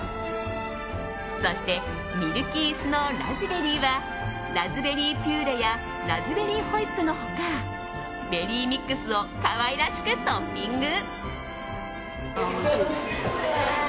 そしてミルキースノーラズベリーはラズベリーピューレやラズベリーホイップの他ベリーミックスを可愛らしくトッピング。